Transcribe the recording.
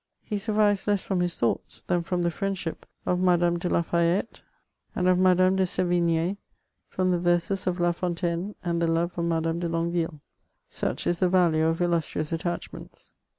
He suryiyes less from his thoughts than from the friendship of Madame de la Fayette and of Madame de S6vigne, from the yerses of La Fontaine and the love of Madame de Longueyille. Such is the value of illustrious attachments.